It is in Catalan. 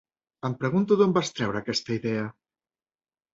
Em pregunto d'on vas treure aquesta idea!